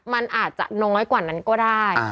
มันอาจจะน้อยกว่านั้นก็ได้